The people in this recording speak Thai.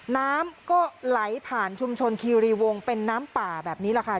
น้ำก็ไหลผ่านชุมชนคีรีวงเป็นน้ำป่าแบบนี้แหละค่ะ